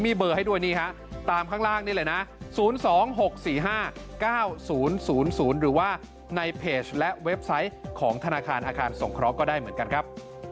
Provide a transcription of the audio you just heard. มีเบอร์ให้ด้วยนี่ฮะตามข้างล่างนี่เลยนะ๐๒๖๔๕๙๐๐หรือว่าในเพจและเว็บไซต์ของธนาคารอาคารสงเคราะห์ก็ได้เหมือนกันครับ